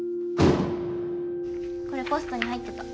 これポストに入ってた。